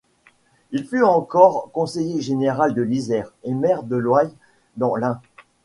Il fut encore conseiller général de l'Isère et maire de Loyes dans l'Ain.